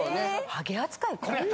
ハゲ扱いこんな。